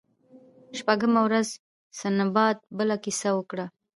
شپږمه ورځ سنباد بله کیسه وکړه.